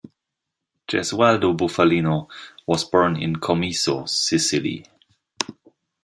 Gesualdo Bufalino was born in Comiso, Sicily.